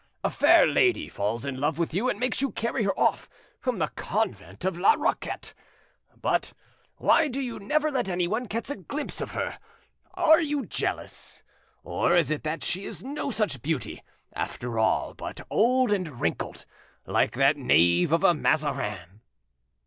A fair lady falls in love with you and makes you carry her off from the convent of La Raquette. But why do you never let anyone catch a glimpse of her? Are you jealous? Or is it that she is no such beauty, after all, but old and wrinkled, like that knave of a Mazarin?"